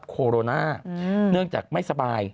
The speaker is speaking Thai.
โคโรนาเนื่องจากไม่สบาย